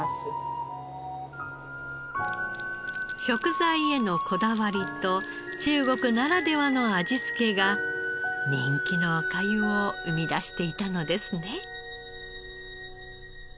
食材へのこだわりと中国ならではの味付けが人気のお粥を生み出していたのですね。